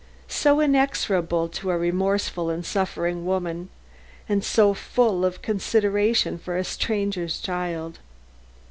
So inexorable to a remorseful and suffering woman, and so full of consideration for a stranger's child!